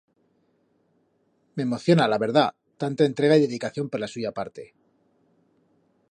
M'emociona, la verdat, tanta entrega y dedicación per la suya parte.